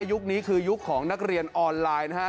ยุคนี้คือยุคของนักเรียนออนไลน์นะฮะ